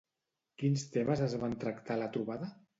Quins temes es van tractar a la trobada?